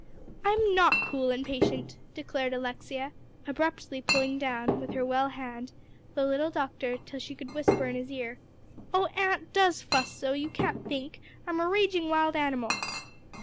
"I'm not cool and patient," declared Alexia, abruptly pulling down, with her well hand, the little doctor till she could whisper in his ear. "Oh, aunt does fuss so you can't think; I'm a raging wild animal."